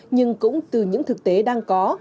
nhưng cũng từ những thực tế đang có